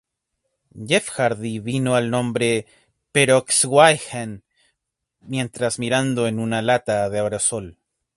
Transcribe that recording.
Jeff Hardy, vino al nombre 'Peroxwhy?gen' Mientras mirando en una lata de aerosol.